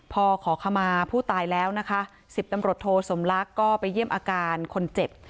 พอขอขมาผู้ตายแล้วนะคะ๑๐ตำรวจโทสมลักษณ์ก็ไปเยี่ยมอาการคนเจ็บ